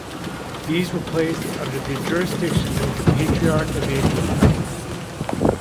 These were placed under the jurisdiction of the patriarch of Antioch.